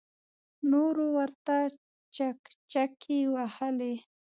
نورو ورته چکچکې وهلې.